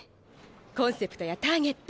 コンセプトやターゲット